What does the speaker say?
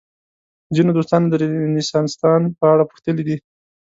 ځینو دوستانو د رنسانستان په اړه پوښتلي دي.